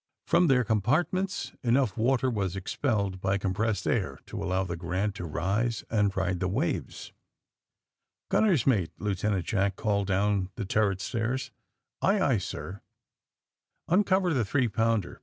Prom the compart ments enough water was expelled by com pressed air to allow the Grant" to rise and ride the waves. ^'Gunner's mate!" Lieutenant Jack called down the turret stairs. 806 THE SUBMAEINE BOIS Aye, aye, sir.*' Uncover tlie three pounder.